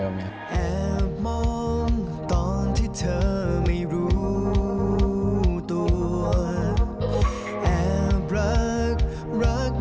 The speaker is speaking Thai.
ไม่น้องนางเอกอะ